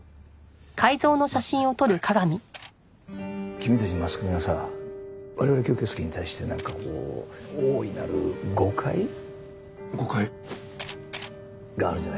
君たちマスコミはさ我々吸血鬼に対してなんかこう大いなる誤解？誤解？があるんじゃないかな。